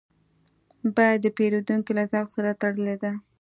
بیه د پیرودونکي له ذوق سره تړلې ده.